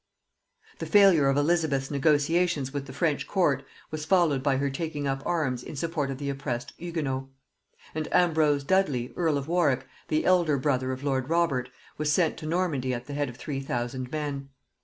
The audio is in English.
The failure of Elizabeth's negotiations with the French court was followed by her taking up arms in support of the oppressed Hugonots; and Ambrose Dudley earl of Warwick, the elder brother of lord Robert, was sent to Normandy at the head of three thousand men.